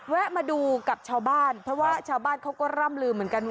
มาดูกับชาวบ้านเพราะว่าชาวบ้านเขาก็ร่ำลือเหมือนกันว่า